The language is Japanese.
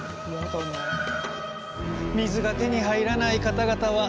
水が手に入らない方々は大変ですね。